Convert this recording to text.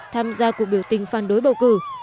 tham gia cuộc biểu tình phản đối bầu cử